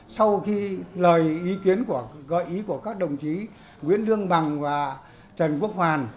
sau khi lời ý kiến của các đồng chí nguyễn đương bằng và trần quốc hoàn